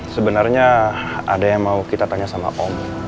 sebenarnya ada yang mau kita tanya sama om